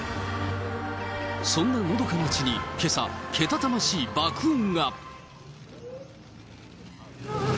そんなのどかな地に、けさ、けたたましい爆音が。